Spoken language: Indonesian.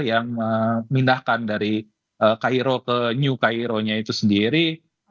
yang memindahkan dari cairo ke new cairo nya itu sendiri